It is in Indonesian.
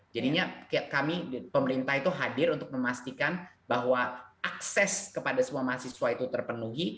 jadinya kami pemerintah itu hadir untuk memastikan bahwa akses kepada semua mahasiswa itu terpenuhi